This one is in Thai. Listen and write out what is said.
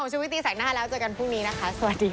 สวัสดีค่ะ